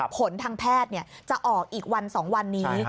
ผลทางแพทย์จะออกอีกวัน๒วันนี้